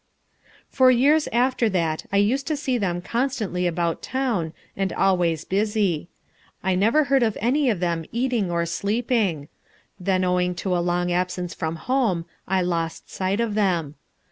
For years after that I used to see them constantly about town and always busy. I never heard of any of them eating or sleeping. Then owing to a long absence from home, I lost sight of them.